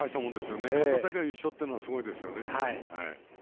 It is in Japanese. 関東大会優勝っていうのはすごいですよね。